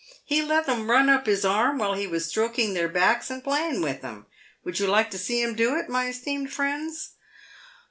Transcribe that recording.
He let 'em run up his arm while he was stroking their backs and playing with 'em. Would you like to see him do it, my esteemed friends